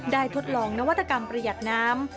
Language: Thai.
ทดลองนวัตกรรมประหยัดน้ำ